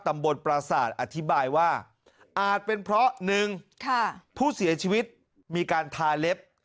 ประสาทอธิบายว่าอาจเป็นเพราะหนึ่งผู้เสียชีวิตมีการทาเล็บ